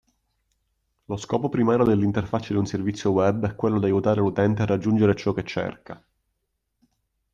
Lo scopo primario dell'interfaccia di un servizio web è quello di aiutare l'utente a raggiungere ciò che cerca.